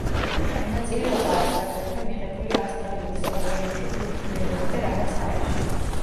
მონაწილეობა აქვს აგრეთვე მიღებული ავსტრალიურ სერიალებში „ბლუ ჰილერები“ და „რაღაც ჰაერში“.